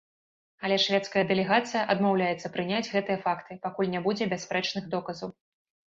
Але шведская дэлегацыя адмаўляецца прыняць гэтыя факты, пакуль не будзе бясспрэчных доказаў.